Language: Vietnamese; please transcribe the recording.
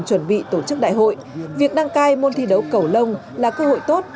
chuẩn bị tổ chức đại hội việc đăng cai môn thi đấu cầu lông là cơ hội tốt